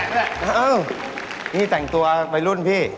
เออนี่แต่งตัววัยรุ่นพี่